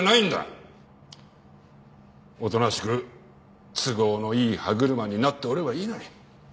おとなしく都合のいい歯車になっておればいいのに。